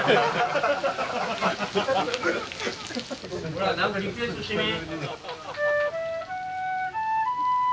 ほら何かリクエストしてみ。